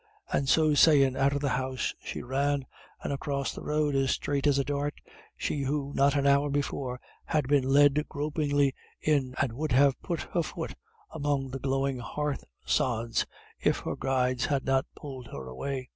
And so saying out of the house she ran, and across the road as straight as a dart, she who not an hour before had been led gropingly in, and would have put her foot among the glowing hearth sods, if her guides had not pulled her away.